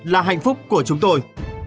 là hạnh phúc của chúng tôi